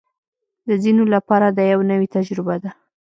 د ځینو لپاره دا یوه نوې تجربه ده